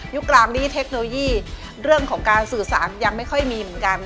กลางนี้เทคโนโลยีเรื่องของการสื่อสารยังไม่ค่อยมีเหมือนกัน